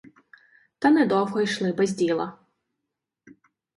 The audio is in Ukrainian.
Та недовго йшли без діла.